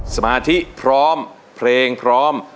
สมาธิพร้อมเพลงพร้อม